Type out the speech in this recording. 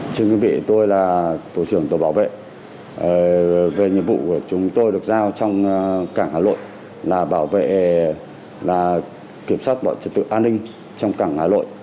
chúng tôi bảo vệ về nhiệm vụ của chúng tôi được giao trong cảng hà nội là kiểm soát bọn trực tự an ninh trong cảng hà nội